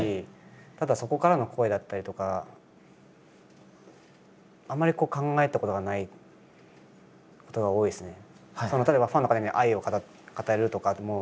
ただそこからの声だったりとかあんまり考えたことがないことが多いですね。